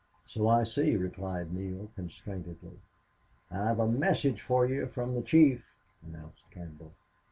"So I see," replied Neale, constrainedly. "I've a message for you from the chief," announced Campbell.